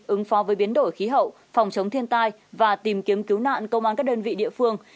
ứng phó với biến đổi khí hậu phòng chống thiên tai và tìm kiếm cứu nạn công an các đơn vị địa phương